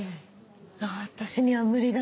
私には無理だな。